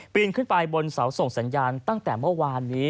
นขึ้นไปบนเสาส่งสัญญาณตั้งแต่เมื่อวานนี้